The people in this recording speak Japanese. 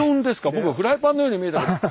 僕はフライパンのように見えたけど。